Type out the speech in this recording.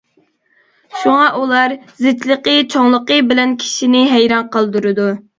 شۇڭا ئۇلار زىچلىقى چوڭلۇقى بىلەن كىشىنى ھەيران قالدۇرىدۇ.